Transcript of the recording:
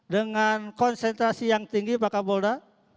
dengan konsentrasi yang tinggi pak kapolda